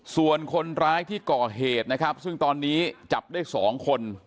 ส่วนคนร้ายที่ก่อเหตุนะครับซึ่งตอนนี้จับได้๒คน